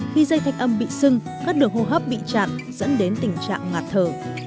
khi dây thanh âm bị sưng các đường hô hấp bị chặn dẫn đến tình trạng ngạt thở